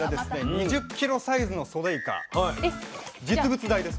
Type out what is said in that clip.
２０ｋｇサイズのソデイカ実物大です